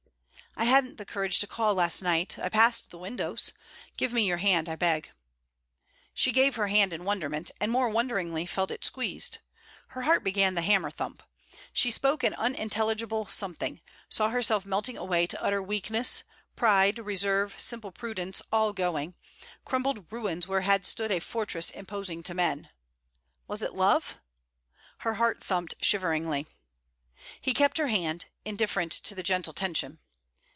'I hadn't the courage to call last night; I passed the windows. Give me your hand, I beg.' She gave her hand in wonderment, and more wonderingly felt it squeezed. Her heart began the hammerthump. She spoke an unintelligible something; saw herself melting away to utter weakness pride, reserve, simple prudence, all going; crumbled ruins where had stood a fortress imposing to men. Was it love? Her heart thumped shiveringly. He kept her hand, indifferent to the gentle tension.